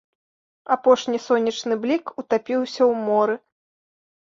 Апошні сонечны блік утапіўся ў моры.